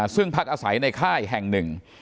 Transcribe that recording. ซึ่งพักอาศัยในค่ายแห่งหนึ่ง